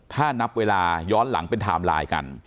ถ้านับเวลาย้อนหลังเป็นไทม์ไลน์กัน